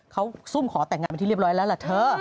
เขาซุ่มขอแต่งงานเป็นที่เรียบร้อยแล้วล่ะเธอ